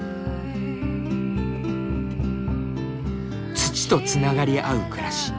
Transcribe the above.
土とつながり合う暮らし。